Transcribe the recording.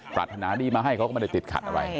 ปรารถนาดีมาให้เขาก็ไม่ได้ติดขัดอะไร